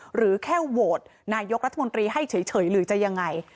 หรือแค่โหวตนายกรัฐมนตรีให้เฉยหรือจะยังไง